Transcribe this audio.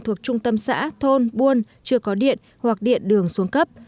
thuộc trung tâm xã thôn buôn chưa có điện hoặc điện đường xuống cấp